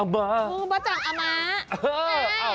หูบ้าจังอัมมา